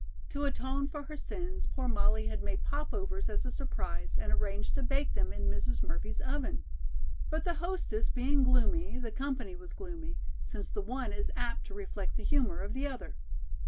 To atone for her sins, poor Molly had made popovers as a surprise and arranged to bake them in Mrs. Murphy's oven. But the hostess being gloomy, the company was gloomy, since the one is apt to reflect the humor of the other.